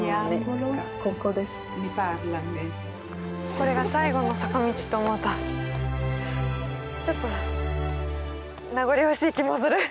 これが最後の坂道と思うとちょっと名残惜しい気もする。